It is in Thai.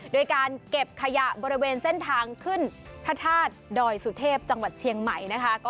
โดยการเก็บขยะบริเวณเส้นทางขึ้นพระธาตุดอยสุเทพจังหวัดเชียงใหม่นะคะ